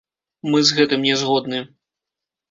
Мы з гэтым не згодны.